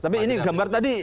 tapi ini gambar tadi